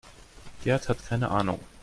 Gerd hat keine Ahnung.